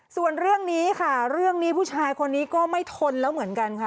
ส่วนเรื่องนี้ค่ะเรื่องนี้ผู้ชายคนนี้ก็ไม่ทนแล้วเหมือนกันค่ะ